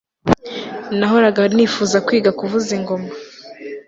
Nahoraga nifuza kwiga kuvuza ingoma